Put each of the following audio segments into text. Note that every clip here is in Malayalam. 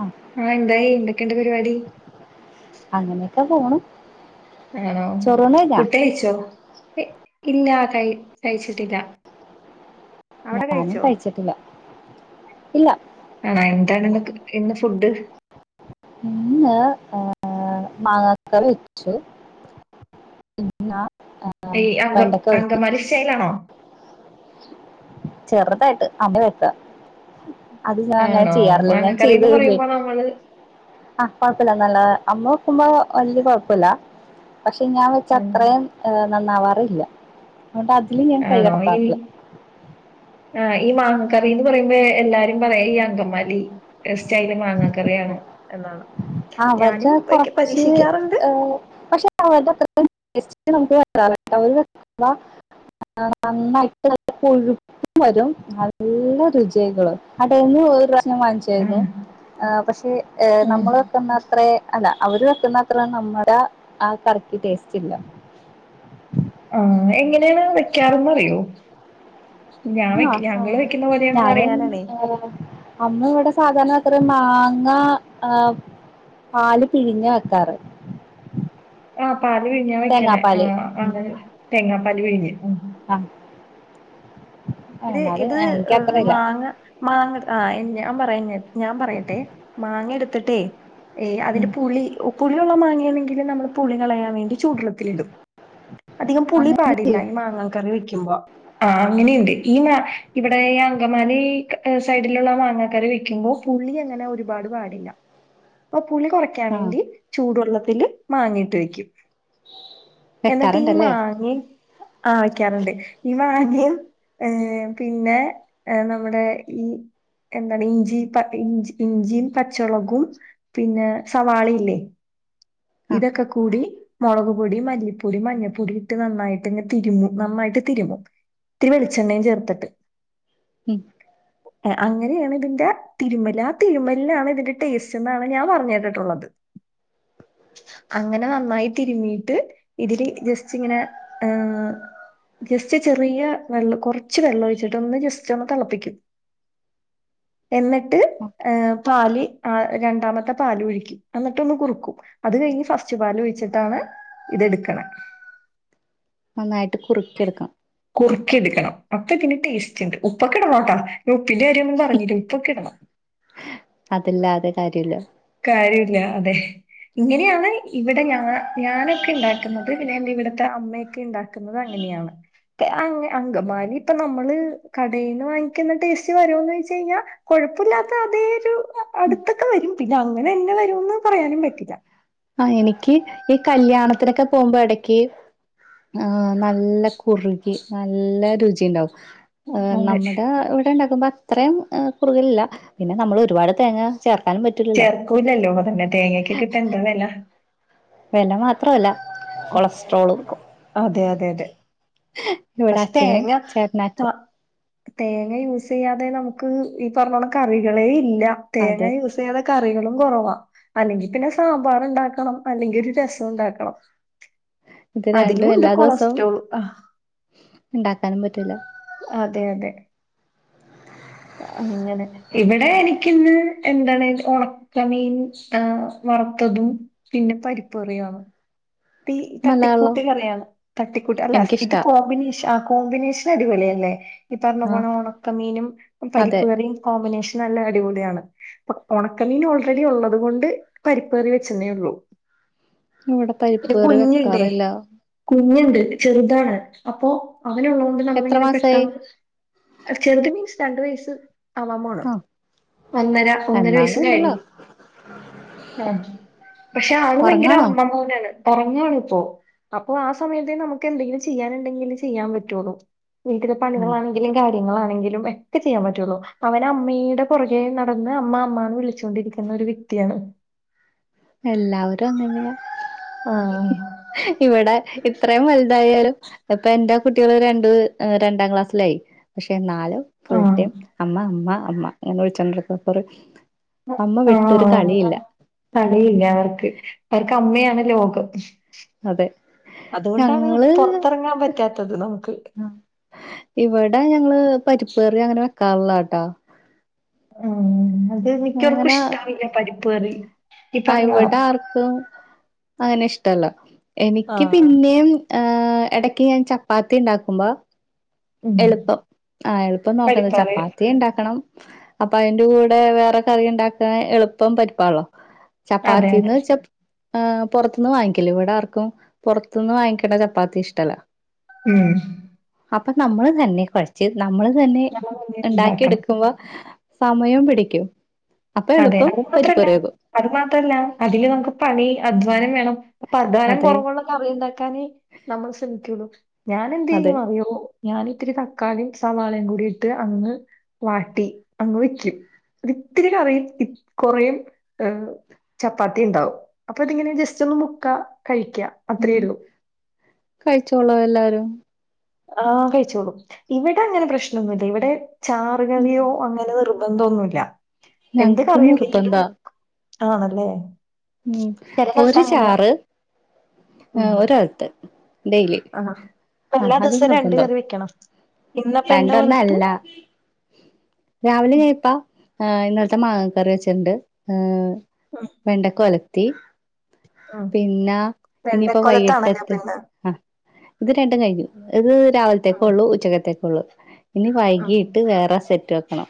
ആം ആഹ എന്തായി എന്തൊക്കെയുണ്ട് പരിപാടി. അങ്ങനെയൊക്കെ പോണു ആണോ ചോറൂണ് കഴിഞ്ഞാ ഫുഡ്‌ കഴിച്ചോ ഇല്ല ക കഴിച്ചിട്ടില്ല. അവിടെ ഞാനും കഴിച്ചോ? കഴിച്ചിട്ടില്ല ഇല്ല ആ എന്താണ് ഇ ഇന്ന് ഫുഡ്? ഇന്ന് ഏ മാങ്ങക്കറി വെച്ചു. പിന്നെ ഈ അങ്ക വെണ്ടക്ക വരട്ടി. അങ്കമാലി സ്റ്റൈലാണോ ചെറുതായിട്ട് അമ്മ [unintelligible] അത് ഞാൻ അങ്ങനെ ആണോ ചെയ്യാറില്ലേ ഞാൻ മാങ്ങക്കറി ചെയ്ത് എന്ന് പറയുമ്പോ [unintelligible] നമ്മള് ആഹ കൊഴപ്പില്ല നല്ലതാ അമ്മ വെക്കുമ്പോ വല്യ കൊഴപ്പല്ല പക്ഷെ ഞാൻ വെച്ച ഉം, അത്രയും ഹ് നന്നാവാറില്ല ആ [unintelligible] ആണോ ഇ ആ ഈ മാങ്ങക്കറി എന്ന് പറയുമ്പോ എല്ലാരും പറയാ ഈ അങ്കമാലി സ്റ്റൈല് മാങ്ങക്കറിയാണ് എന്നാണ് ആ ഞാനും അവരുടെ വെക്ക- കുറച്ച് പരീക്ഷിക്കാറുണ്ട് പക്ഷെ അവരുടെ [unintelligible] ആ നന്നായിട്ട് കൊഴു വരും നല്ല രുചികളും കടേന്ന് ഒരു പ്രാവശ്യം ഉം, വാങ്ങിച്ചു പക്ഷെ ഉം. നമ്മള് വുന്നത്ര അല്ല അവര് വെക്കുന്ന അത്ര നമ്മുടെ ആ കറിക്ക് ടേസ്റ്റ് ഇല്ല. ആ എങ്ങനെയാണ് വെക്കാറ്ന്ന്റിയോ? ആ വെക്കുന്ന പോലെയാണോ ഞാനും അറിയാനാണേ [unintelligible] അമ്മ ഇവിടെ സാധാരണ അത്ര മാങ്ങ ആ പാല് പിഴിഞ്ഞ വെക്കാറ്. ആഹ പാല് പിഴിഞ്ഞാ വെക്കണേ ആ തേങ്ങാപ്പാല് ഉം അങ്ങനെ തെങ്ങാപ്പാല് പിഴഞ്ഞ് ആഹ് ഇത് എന്നാല് ഇത് എനിക്കത്രയില്ല മാങ്ങ മാങ്ങ ആ ഞാൻ പറയ ഞാൻ പറയട്ടെ മാങ്ങ എടുത്തിട്ടേ ഏ അതിന്റെ ഉം പുളി പുളിയുള്ള മാങ്ങയാണെങ്കിൽ നമ്മള് പുളികളയാൻ വേണ്ടി ചൂടുള്ളത്തിൽ ഇടും. അധികം പുളി അങ്ങനെ പാടില്ല ചെയ്യും ഈ മാങ്ങാൻ കറി വെക്കുമ്പോ ആഹ അങ്ങനെയുണ്ട്. ഈ ഇവിടെ ഈ അങ്കമാലി സൈഡിലുള്ള മാങ്ങക്കറി വെക്കുമ്പോൾ പുളി അങ്ങനെ ഒരുപാട് പാ ടില്ല അപ്പൊ പുളി കുറയ്ക്കാൻ ആഹ് വേണ്ടി ചൂടുവെള്ളത്തിൽ മാങ്ങയിട്ട് വെക്കും. എന്നിട്ട് ഈ വെക്കാറുണ്ടല്ലേ മാങ്ങയും ആ വയ്ക്കാറുണ്ട് ഈ മാങ്ങയും. ഏ പിന്നെ നമ്മുടെ ഈ എന്താണ് ഇഞ്ചി ഇഞ്ച് ഇഞ്ചിയും പച്ചളകും പിന്നെ സവാളിയില്ലേ ആഹ് ഇതൊക്കെ കൂടി മുളക്പൊടി മല്ലിപ്പൊടി മഞ്ഞൾപ്പൊടി ഇട്ട് നന്നായിട്ട്ങ്ങ് തിരുമ്പും നന്നായിട്ട് തിരുമ്പും ഇത്തിരി വെളി ച്ചെണ്ണയും ചേർത്തിട്ട്. ഉം അങ്ങനെയാണ് ഇതിന്റെ തിരുമൽ ആ തിരുമലിനാണ് ഇതിന്റെ ടേസ്റ്റ് എന്നാണ് ഞാൻ പറഞ്ഞേട്ടുട്ടുള്ളത് [inaudible] അങ്ങനെ നന്നായി തിരുമീട്ട് ഇതില് ജസ്റ്റ് ഇങ്ങനെ ഏ ജസ്റ്റ് ചെറിയ വെള്ളം കുറച്ച് വെള്ളം ഒഴിച്ചിട്ട ഒന്ന് ജസ്റ്റ് ഒന്ന് തിളപ്പിക്കും എന്നിട്ട് ഓക്കെ പാല് രണ്ടാമത്തെ പാല് ഒഴിക്കും എന്നിട്ടൊന്ന് കുറുക്കും അത് കഴിഞ്ഞ് ഫസ്റ്റ് പാൽ ഒഴിച്ചിട്ടാണ് ഇതെടുക്കണേ നന്നായിട്ട് കുറുക്കിയെടുക്കാം കുർ ക്കിയെടുക്കണം അപ്പ ഇതിന് ടേസ്റ്റ് ഇണ്ട് ഉപ്പക്കെടണട്ടോ ഞാൻ ഉപ്പിന്റെ കാര്യൊന്നും പറഞ്ഞില്ലാ ഉപ്പക്കെ ഇടണം അതല്ലാതെ കാര്യല്ലാ കാര്യൊല്ല അതെ ഇങ്ങനെയാണ് ഇവിടെ ഞാ ഞാനൊക്കെ ഇണ്ടാക്കുന്നത് പിന്നെ എൻ്റെ ഇവിടെ ത്തെ അമ്മയൊക്കെ ഇണ്ടാക്കുന്നത് അങ്ങനെയാണ് [unintelligible] അങ്കമാലി ഇപ്പൊ നമ്മള് കടേന്ന് വാങ്ങിക്കുന്ന ടേസ്റ്റ് വരോന്ന് ചോയിച്ച് കഴിഞ്ഞാ കൊഴപ്പുല്ലാത്ത അതേ ഒരു അടുത്തൊക്കെ വരും പിന്നെ അങ്ങനെ തന്നെ വരോന്ന് പറയാനും പറ്റില്ല ആഹ് എനിക്ക് ഈ കല്യാണത്തിനൊക്കെ പോകുമ്പോ എടക്ക് ആഹ് നല്ല കുറുകി നല്ല രുചിയുണ്ടാവും ഏഹ് അതെ നമ്മടെ ഇവിടെ ഇണ്ടാക്കുമ്പോ അത്രയും ഏഹ് കുറുകലില്ല പിന്നെ നമ്മൾ ഒരുപാട് തേങ്ങാ ചേർക്കാനും പറ്റുല് ചേർക്കൂല്ലല്ലോ അതന്നെ തേങ്ങക്കെക്കെ ഇപ്പ എന്താ വെല വെല മാത്രോ അല്ല ഉം [unintelligible] അതെ അതെ അതെ ഇവിടെ പക്ഷെ അച്ഛനും തേങ്ങാ ചേട്ടനാക്കും [unintelligible] തേങ്ങ യൂസ് ചെയ്യാതെ നമുക്ക് ഈ പറഞ്ഞോലെ കറികളെ ഇല്ല അത് തേങ്ങ യൂസ് [unintelligible] കറികളും കൊറവാ അല്ലെങ്കിൽ പിന്നെ സാമ്പാർ ഇണ്ടാക്കണം അല്ലെങ്കിൽ ഒരു രസം ഉണ്ടാക്കണം ഇത് രണ്ടും അതിലുണ്ട് എല്ലാ ദിവസവും കൊളസ്ട്രോൾ ആഹ് ഇണ്ടാക്കാനും പറ്റൂല അതെ അതെ അങ്ങനെ ഇവിടെ എനിക്കിന്ന് എന്താണ് ഒണക്കമീൻ ആഹ് വറുത്തതും പിന്നെ പരിപ്പു കറിയാന്ന് തി നല്ലതാണല്ലോ തട്ടിക്കൂട്ട് കറിയാണ് തട്ടിക്കൂട്ട് അല്ല ഇത് എനിക്കിഷ്ടാ കോമ്പിനേഷൻ ആഹ് കോമ്പിനേഷൻ അടിപൊളിയല്ലേ ഈ പറഞ്ഞ ആഹ് പോണ ഒണക്കമീനും അതെ പരിപ്പുകറിയും കോമ്പിനേഷൻ നല്ല അടിപൊളിയാണ് ഇപ്പ ഒണക്കമീൻ ഓൾറെഡി ഒള്ളത് കൊണ്ട് പരിപ്പ് കൊറി വെച്ചെന്നേ ഉള്ളൂ ഇവിടെ പരിപ്പ് പിന്നെ കറി കുഞ്ഞുണ്ടേ വെക്കാറില്ലാ കുഞ്ഞുണ്ട് ചെറുതാണ് അപ്പൊ അവനൊള്ളത് കൊണ്ട് എത്ര നമ്മളിങ്ങനെ മാസായി പെട്ടെന്ന് ചെറുത് മിൻസ് രണ്ട് വയസ്സ് അവാൻ പോണ് ആഹ് ഒന്നര ഒന്നര വയസ്സ് എന്നാലും കഴിഞ്ഞ് ഉണ്ടല്ലോ ഉം ഉം പക്ഷെ ആള് ഭയങ്കര ഒറങ്ങാണോ അമ്മ മോനാണ് ഒറങ്ങാണ് ഇപ്പോ അപ്പൊ ആ സമയത്ത് നമ്മക്ക് എന്തെങ്കിലും ചെയ്യാനുണ്ടെങ്കില് ചെയ്യാൻ പറ്റുള്ളൂ വീട്ടിലെ ആഹ് പണികളാണ് ലേകാര്യങ്ങളാണെങ്കിലും എക്കെ ചെയ്യാൻ പറ്റുള്ളൂ അവൻ അമ്മീടെ പൊറകെ നടന്ന് അമ്മ അമ്മാന്ന് വിളിച്ചോണ്ടിരിക്ക് എന്ന് ഒരു വ്യക്തിയാണ് എല്ലാവരും അങ്ങനെയാ ആഹ് ഇവിടെ ഇത്രയും വെൽതായാലും ഇപ്പൊ എന്റെ കുട്ടികള് രണ്ട് ഏഹ് രണ്ടാം ക്ലാസ്സിലായി പക്ഷെ നാല് ആ ഫുൾ ടൈം അമ്മ അമ്മ അമ്മ എന്ന് വിളിച്ചോണ്ട് നടക്കും [unintelligible] അമ്മ വിട്ടൊരു കളിയില്ല കളിയില്ല അവർക്ക് അവർക്ക് അമ്മയാണ് ലോകം അതെ അതുകൊണ്ടാണ് ഞങ്ങള് പൊറത്തെറങ്ങാൻ പറ്റാത്തത് നമക്ക് ഇവിടെ ഞങ്ങള് പരിപ്പ് കറി അങ്ങനെ വെക്കാറില്ലാട്ടാ ആഹ് അത് മിക്കവർക്കും ഇഷ്ട്ടാവില്ല പരിപ്പ് കറി. ഈ ആ പറഞ്ഞ ഇവിടെ ആർക്കും അങ്ങനെ ഇഷ്ടല്ല ആ എനിക്ക് പിന്നേ ഇടക്ക് ഞാൻ ചപ്പാത്തി ഉണ്ടാക്കുമ്പോ ഉം എളുപ്പം ആ എളുപ്പം പരിപ്പ് നോക്കുന്നത് കറി ചപ്പാത്തി ഉണ്ടാക്കണം അപ്പൊ അതിന്റെ കൂടെ വേറെ കറി ഉണ്ടാക്കാ എളുപ്പം പരിപ്പാണല്ലോ അതെ അതെ ചപ്പാത്തിന്ന് ച ആ പുറത്തുന്ന് വാങ്ങിക്കല ഇവിടെ ആർക്കും പുറത്തന്ന് വാങ്ങിക്കണ ചപ്പാത്തി ഇഷ്ടല്ല ഉം അപ്പൊ നമ്മള് തന്നെ കുഴച്ച് നമ്മള് തന്നെ നമ്മൾ തന്നെ ഇണ്ടാക്കി ഉണ്ടാക്കണം എടുക്കുമ്പോ സമയം പിടിക്കൂ അപ്പൊ അതെ എളുപ്പം അത് മാത്രല്ല പരിപ്പറയക അത് മാത്രല്ല അതില് നമുക്ക് പണി അധ്വാനം വേണം അപ്പൊ അധ്വാനം അതെ കുറവുള്ള കറിയുണ്ടാക്കാനേ നമ്മൾ ശ്രമിക്കുള്ളൂ ഞാൻ എന്ത അതെ ചെയിലും അറിയോ ഞാൻ ഇത്തിരി തക്കാളിയും സവാളയും കൂടിയിട്ട് അങ്ങ് വാട്ടി അങ്ങ് വെച് ഒരു ഇത്തിരി കറിയ കൊറേ ഏ ചപ്പാത്തി ഉണ്ടാവും അപ്പൊ അതിങ്ങനെ ജസ്റ്റ് ഒന്ന് മുക്ക കഴിക്ക ഉം കഴിച്ചോള് എല്ലാരും ആ കഴിച്ചോളൂ ഇവിടെ അങ്ങനെ പ്രശ്നൊന്നുമല്ല ഇവിടെ ചാർ കറിയോ അങ്ങനെ നിർ ന്തൊന്നുല്ല എന്ത് ഞങ്ങക്ക് കറിയുന്നെങ്കിലും നിർബന്ധാ ആണല്ലേ ഉ ചെല സ്ഥലത്ത് ഒരു അങ്ങനെയാ ചാറ് ആ ഉം ഒരകത്ത് ഡെയ്ലി ആഹ് അപ്പൊ ആഹ എല്ലാ അത് ദിവസവും രണ്ട് നിർബദ്ധം കറി വെക്കണം ഇന്നപ്പ എന്താ രണ്ടൊന്ന കൊലത്ത് അല്ല രാവിലെ ഉം ഞാന ഇപ്പ ഇന്നലത്തെ മാങ്ങ കറി വെച്ചിട്ടുണ്ട് അ വെണ്ടക്ക ഒലത്തി ഉം. പിന്നാ ഇനിയിപ്പോ വെണ്ടക്കൊലത്താണല്ലോ അപ്പ വൈകിട്ടത്ത് ഇന്ന് ആ ഇത് രണ്ടും കഴിഞ്ഞു ഇത് ഉം രാവിലത്തേക്കള്ളൂ ഉച്ചകത്തേക്ക ഉള്ളു ഇനി വൈകിയിട്ട് വേറെ സെറ്റ് ആക്കണം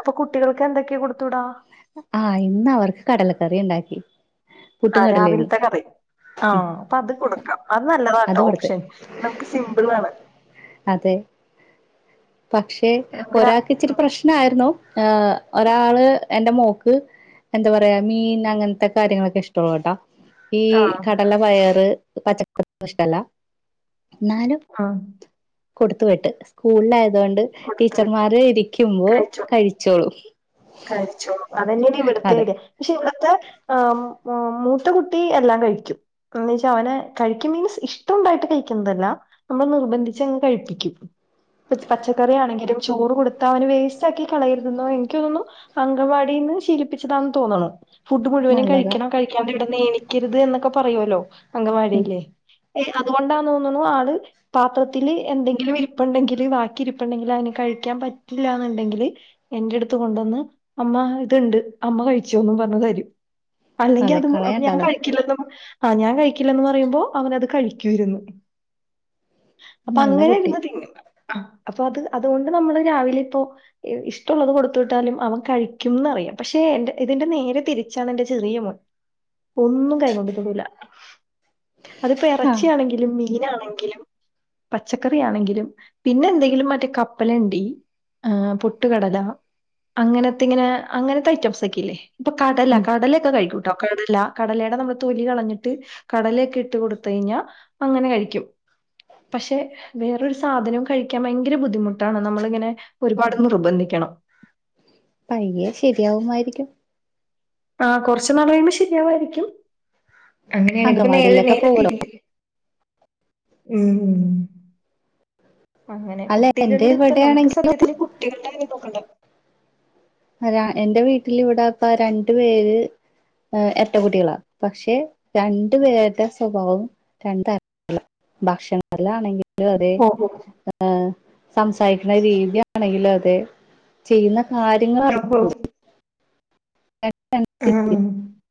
അപ്പൊ കുട്ടികൾക്ക് എന്തൊക്കെയാ കൊടുത്തൂടാ ആഹ ഇന്ന് അവർക്ക് കടലക്കറി ഉണ്ടാക്കി ആ പുട്ടും കടലേന്നു രാവിലത്തെ കറി ആഹ ഉം അപ്പൊ അത് കൊടുക്കാം അത് നല്ലതാട്ടോ അത് കൊടുത്ത് ഓപ്ഷൻ നമുക്ക് സിമ്പിൾ ആണ് അതെ പക്ഷെ നമുക്ക് രാ ഒരാൾക്ക് ഇച്ചിരി പ്രശ്നമായിരുന്നു ഒരാള് എന്റെ മോക്ക് എന്താ പറയാ മീൻ അങ്ങനത്തെ കാര്യങ്ങളൊക്കെ ഇഷ്ടുള്ള കേട്ടാ ഈ ആഹ് കടല പയറ് പച്ചക്കറ ഇഷ്ടല്ല എന്നാലും ആഹ കൊടുത്തുവിട്ട് സ്കൂളില ആയതൊണ്ട് കൊടുത്ത് വിട്ട് ടീച്ചർമാര് ഇരിക്കുമ്പോ കഴിച്ചോളൂ കഴിച്ചോളൂ അതന്നേ ഇവിടുത്തേല് പക്ഷെ ഇവിടുത്തെ ആ മൂത്ത കുട്ടി എല്ലാം കഴിക്കും എന്നെച്ച അവനെ കഴിക്കും മീൻസ് ഇഷ്ടംണ്ടായിട്ട് കഴിക്കുന്നതല്ല നമ്മൾ നിർബന്ധിച്ചങ്ങ് കഴിപ്പിക്കും പച്ചക്കറി ആണെങ്കിലും ചോറ് കൊടുത്താ അവന് വേസ്റ്റ് ആക്കി കളയരുതെന്നോ എനിക്കതൊന്നും അങ്കവാടിന്ന് ശീലിപ്പിച്ചതാണന്ന് തോന്നണു ഫുഡ് മുഴുവനും നല്ലതാ കഴിക്കണം കഴി കഴിക്കണ്ട് ഇവിടെ നീണിക്കരുത് എന്നൊക്കെ പറയുമല്ലോ ഉം അങ്കവാടിന്ന് ഏ അതുകൊണ്ടാ തോന്നുന്നു ആള് പാത്രത്തില് എന്തെങ്കിലും ഇരിപ്പുണ്ടെങ്കില് ബാക്കി ഇരിപ്പുണ്ടെങ്കിൽ അതിന് കഴിക്കാൻ പറ്റില്ല എന്നുണ്ടെങ്കില് എന്റെ അടുത്ത് കൊണ്ടുവന്ന് അമ്മ ഇത്ണ്ട് അമ്മ കഴിച്ചോന്ന് പറഞ്ഞു തരും അല്ലെങ്കി അതെ അത് അപ്പൊ ഞാൻ കളയണ്ടല്ലോ കഴിക്കില്ലെന്നും ആ ഞാൻ കഴിക്കില്ലന്ന് പറയുമ്പോ അവനത് കഴിക്കുരുന്നു അപ്പൊ നല്ല അങ്ങനെ കുട്ടി ഇരുന്ന തിന്നു അഅപ്പൊ അത് അതുകൊണ്ട് നമ്മള് രാവിലെ ഇപ്പോ ഇഷ്ടള്ളത് കൊടുത്തു വിട്ടാലും അവക്ക് കഴിക്കുംന്ന്റിയാം പക്ഷെ എന്റെ ഇതിന്റെ നേരെ തിരിച്ചാണ് എന്റെ ചെറിയ മോൻ ഒന്നും കൈ കൊണ്ട് തോടൂല അതിപ്പോ ആഹ് ഇറച്ചിയാണെങ്കിൽ ലും മീനാണെങ്കിലും പച്ചക്കറി ആണെങ്കിലും പിന്നെ എന്തെങ്കിലും മറ്റേ കപ്പലണ്ടി ആ പുട്ടുകടല അങ്ങനെ അങ്ങെനെ അങ്ങനത്തെ ഐറ്റംസ് ഒക്കെ ഇല്ലേ ഇപ്പ കടല ഉം കടലൊക്കെ കഴിക്കും ട്ടോ കടല കടലയുടെ നമ്മൾതൊലി കളഞ്ഞിട്ട് കടലെയൊക്കെ ഇട്ട് കൊടുത്ത് കഴിഞ്ഞാൽ അങ്ങനെ കഴിക്കും പക്ഷെ വേറൊരു സാധനവും കഴിക്കാൻ ഭയങ്കര ബുദ്ധിമുട്ടാണ് നമ്മളിങ്ങനെ ഒരുപാട് നിർബന്ധിക്കണം പയ്യെ ശരിയാവുമായിരിക്കും ആഹ് കുറച്ചു നാൾ കഴിയുമ്പോ ശരിയാവുയായിരിക്കും അങ്ങനെയാണ് നേ അങ്കവാടിയിലൊക്കെ നേരെ പോവല്ലോ തിരിയും ഉം ഉം അങ്ങനെ അല്ല എന്റെ കുട്ടികളിൽ ഇപ്പം നമുക്ക് ഇവിടെയാണെങ്കിൽ സത്യത്തിൽ കുട്ടികൾടെ കാര്യം നോക്കണ്ട എന്റെ വീട്ടിൽ ഇവിടെ അപ്പ രണ്ടു പേര് ഏ എരട്ടകുട്ടികളാ പക്ഷെ രണ്ടു പേരുടെ സ്വഭാവം രണ്ടറ്റ ഭക്ഷണത്തി ല്ലാണെങ്കിലും അതെ ഓഹോ സംസാരിക്കണ രീതിയാണെങ്കിലും അതെ ചെയ്യുന്ന കാര്യങ്ങൾ അപ്പൊ ആ [unintelligible]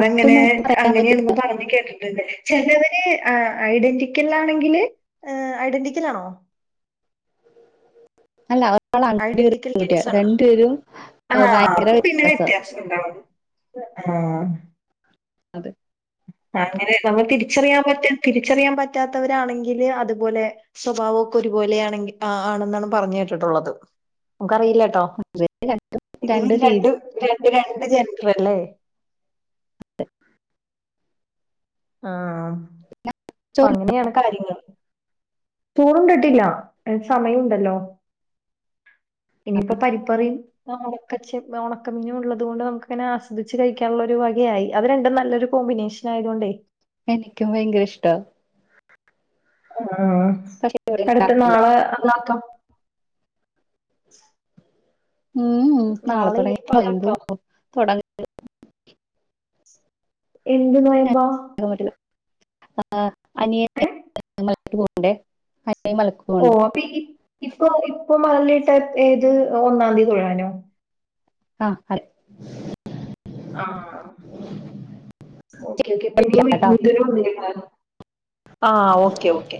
ഒട്ടും നമുക്ക് പറയാൻ പറ്റ അങ്ങനെയന്ന് പറഞ്ഞു കേട്ടിട്ടുണ്ട് ചിലവര് ഐഡന്റിക്കൽ ആണെങ്കില് ഐഡന്റിക്കൽ ആണോ അല്ല ഒരാള് ആൺകുട്ടിയും ഐഡന്റിക്കൽ ഒര് പെൺകുട്ടി യുവാ ടെൻസ് ആണ് രണ്ടു പേരും ഭയങ്കര വ്യത്യാസ ആഹ് അതെ അങ്ങനെ നമ്മൾ തിരിച്ചറിയാൻ പറ്റാ തിരിച്ചറിയാൻ പറ്റാത്തവരാണെങ്കില് അതുപോലെ സ്വഭാവം ഒക്കെ ഒരുപോലൊണെങ്കിൽ ആണെന്നാണ് പറഞ്ഞ കേട്ടിട്ടുള്ളത് നമുക്കറിയില്ല കേട്ടോ ഇവര് രണ്ടും ഇതിന് രണ്ട് രീതി രണ്ട് ജൻ്ററല്ലേ ആഹ് അപ്പൊ ചോറ് അങ്ങനെയാണ് കാര്യങ്ങൾ ചോറുണ്ടിട്ടില്ല സമയണ്ടല്ലോ ഇനിയിപ്പ പരിപ്പറി ണക്ക ചെ ഒണക്കമിന് ഉള്ളത് കൊണ്ട് നമുക്കങ്ങനെ ആസ്വദിച്ച് കഴിക്കാനുള്ള ഒരു വകയായി അത് രണ്ടും നല്ലൊരു കോമ്പിനേഷൻ ആയതോണ്ടേ എനിക്കും ഭയങ്കര ഇഷ്ടാ ആഹ് പക്ഷെ ഇവിടെ അടുത്ത ഉണ്ടാക്കില്ല നാളെ [unintelligible] ഉം നാളെ തുടങ്ങി ഇനിയിപ്പ അതാക്കാം. [unintelligible] എന്ത് നോയ്മ്പാ [unintelligible] ഏ അനിയൻമല ക്ക് പോവ്ണ്ട് ഇപ്പ ഇപ്പൊ ഇപ്പൊ മല്ലിട്ട ഏത് ഒന്നാം തീയതി തൊഴാനോ ആഹ് അ ആഹ് ഓക്കെ ഓക്കെ പിന്നെ അരക്കാട്ടോ [unintelligible] [unintelligible] ആഹ് ഓക്കെ ഓക്കെ